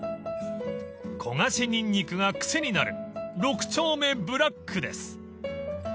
［焦がしにんにくが癖になる六丁目ブラックです］